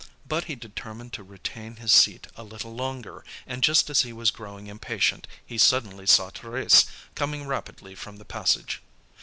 But he determined to retain his seat a little longer, and just as he was growing impatient he suddenly saw Thérèse come rapidly from the passage.